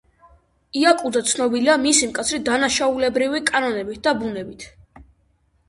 იაკუძა ცნობილია მისი მკაცრი დანაშაულებრივი კანონებით და ბუნებით.